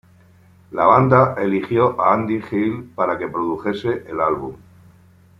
La banda eligió a Andy Gill para que produjese el álbum.